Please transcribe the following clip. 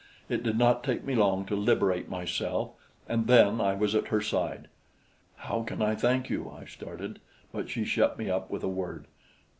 It did not take me long to liberate myself, and then I was at her side. "How can I thank you?" I started; but she shut me up with a word.